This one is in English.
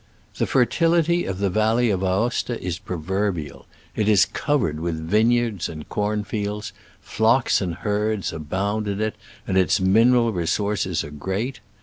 The fertility of the valley of Aosta is proverbial. It is covered with vineyards and cornfields, flocks and herds abound in it, and its mineral resources are great.